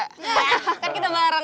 kan kita bareng